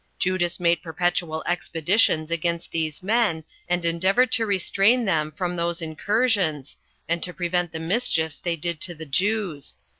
Judas made perpetual expeditions against these men, and endeavored to restrain them from those incursions, and to prevent the mischiefs they did to the Jews.